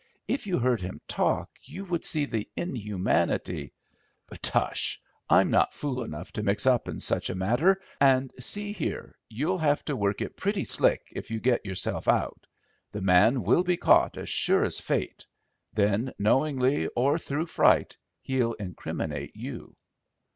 If you heard him talk you would see the inhumanity—" "Tush. I'm not fool enough to mix up in such a matter, and look here, you'll have to work it pretty slick if you get yourself out. The man will be caught as sure as fate; then knowingly or through fright he'll incriminate you."